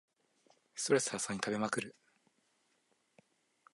ストレス発散に食べまくる